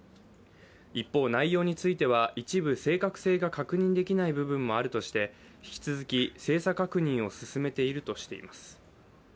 一方、内容については、一部、正確性が確認できない部分もあるとして引き続き精査確認を進めているとしています。